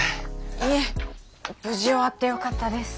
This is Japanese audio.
いえ無事終わってよかったです。